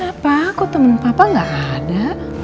mana pak kok temen papa gak ada